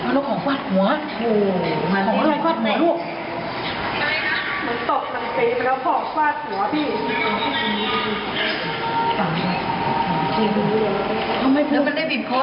แล้วเขากดหน้านู้นคือจมน้ำไหม